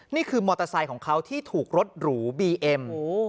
นี่คือมอเตอร์ไซค์ของเขาที่ถูกรถหรูบีเอ็ม